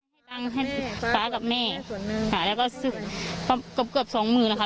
ให้บังให้ป๊ากับแม่แล้วก็เกือบสองหมื่นนะคะ